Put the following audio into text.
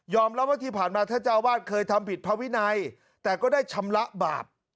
รับว่าที่ผ่านมาท่านเจ้าวาดเคยทำผิดภาวินัยแต่ก็ได้ชำระบาป